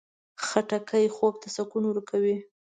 خټکی خوب ته سکون ورکوي.